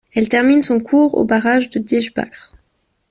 Elle termine son cours au barrage de Deesbach.